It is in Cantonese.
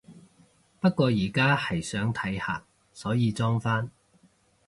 不過而家係想睇下，所以裝返